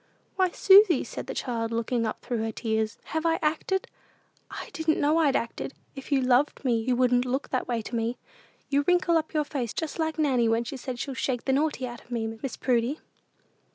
"Why, Susy," said the child, looking up through her tears, "have I acted? I didn't know I'd acted! If you loved me, you wouldn't look that way to me. You wrinkle up your face just like Nanny when she says she'll shake the naughty out of me, Miss Prudy."